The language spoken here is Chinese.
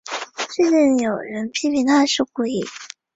事件有人批评她是故意。